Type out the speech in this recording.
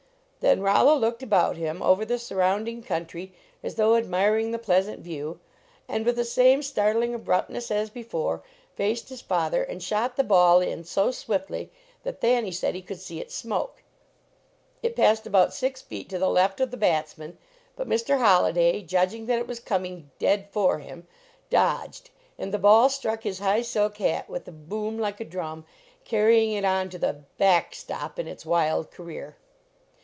Then Rollo looked about him over the surrounding country as though admiring the pleasant view, and with the same startling abruptness as be 67 LEARNING TO PLAY fore, faced his father and shot the ball in so swiftly that Thanny said he could see it smoke, It passed about six feet to the left of the bats man, but Mr. Holliday, judging that it was coming "dead for him," dodged, and the ball struck his high silk hat with a boom like a drum, carrying it on to the " back stop " in its wild career.